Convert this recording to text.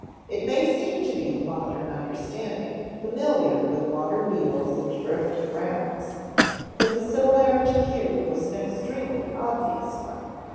It may seem to the modern understanding, familiar with water wheels and drifting rafts, that the similarity here was an extremely obvious one.